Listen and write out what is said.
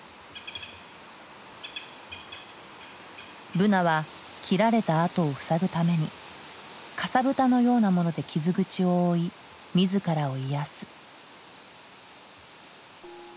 ブナは切られた跡を塞ぐためにかさぶたのようなもので傷口を覆い自らを癒やす。